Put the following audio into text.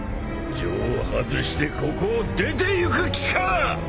錠を外してここを出てゆく気か！？